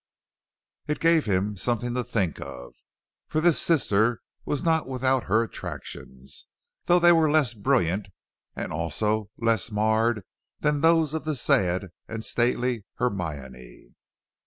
It gave him something to think of, for this sister was not without her attractions, though they were less brilliant and also less marred than those of the sad and stately Hermione.